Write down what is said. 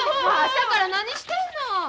朝から何してんの！